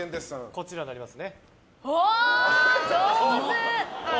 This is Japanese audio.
こちらになります。